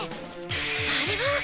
あれは。